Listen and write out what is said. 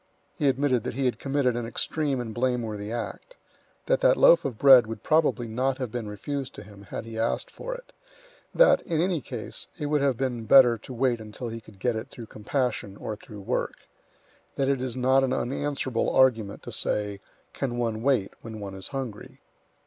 He admitted that he had committed an extreme and blameworthy act; that that loaf of bread would probably not have been refused to him had he asked for it; that, in any case, it would have been better to wait until he could get it through compassion or through work; that it is not an unanswerable argument to say, "Can one wait when one is hungry?"